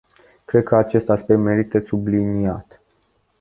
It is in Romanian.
Cred că acest aspect merită subliniat.